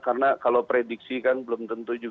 karena kalau prediksi kan belum tentu juga